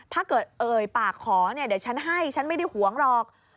ถ้าเกิดเอ่ยปากขอเนี่ยเดี๋ยวฉันให้ฉันไม่ได้หวงหรอก